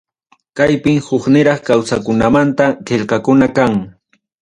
Kaypim hukniraq kawsakunamanta qillqakuna kan.